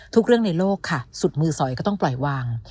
ทุกเรื่องในโลกค่ะสุดมือสอยก็ต้องปล่อยวาง